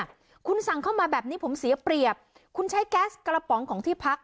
คุณสั่งเข้ามาแบบนี้ผมเสียเปรียบคุณใช้แก๊สกระป๋องของที่พัก